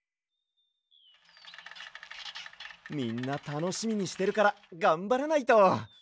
みんなたのしみにしてるからがんばらないと。